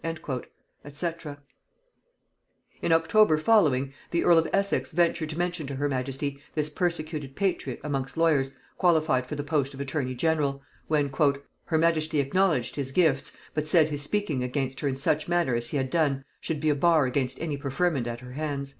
&c. [Note 113: Nugæ.] In October following, the earl of Essex ventured to mention to her majesty this persecuted patriot amongst lawyers qualified for the post of attorney general, when "her majesty acknowledged his gifts, but said his speaking against her in such manner as he had done, should be a bar against any preferment at her hands."